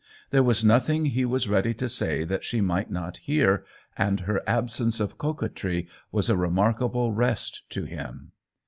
There was noth ing he was ready to say that she might not hear, and her absence of coquetry was a re markable rest to him.